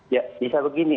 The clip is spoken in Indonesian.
ya bisa begini